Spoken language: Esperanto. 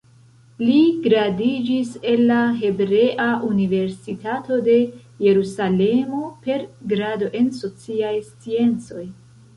Li gradiĝis el la Hebrea Universitato de Jerusalemo per grado en sociaj sciencoj.